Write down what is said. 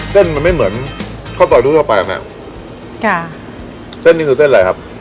เส้นมันไม่เหมือนข้าวซอยดูดเข้าไปอ่ะไหมค่ะเส้นนี่คือเส้นอะไรครับ